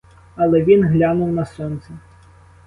Але він глянув на сонце.